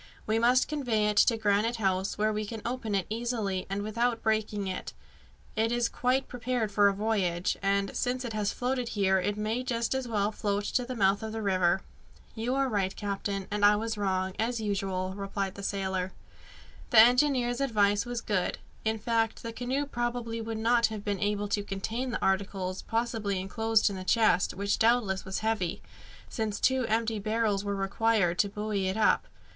We must convey it to Granite House, where we can open it easily and without breaking it. It is quite prepared for a voyage, and, since it has floated here, it may just as well float to the mouth of the river." "You are right, captain, and I was wrong, as usual," replied the sailor. The engineer's advice was good. In fact, the canoe probably would not have been able to contain the articles possibly enclosed in the chest, which doubtless was heavy, since two empty barrels were required to buoy it up.